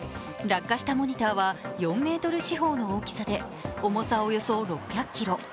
落下したモニターは４メートル四方の大きさで重さおよそ６００ｋｇ。